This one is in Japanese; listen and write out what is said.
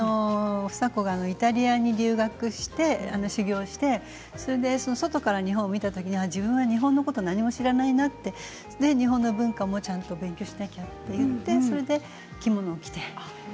房子がイタリアに留学して修業して外から日本を見た時に自分は日本のことを何も知らないなって日本の文化もちゃんと勉強しなきゃということで着物を着て。